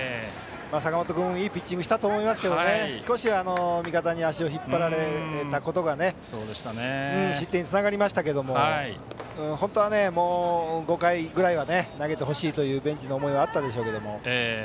坂本君もいいピッチングをしたと思いますが少し、味方に足を引っ張られたことが失点につながりましたが本当は５回ぐらいは投げてほしいというベンチの思いあったでしょうけども。